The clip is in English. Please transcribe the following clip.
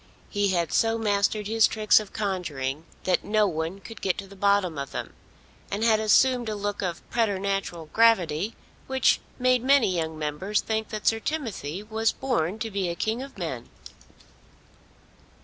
He had so mastered his tricks of conjuring that no one could get to the bottom of them, and had assumed a look of preternatural gravity which made many young Members think that Sir Timothy was born to be a king of men.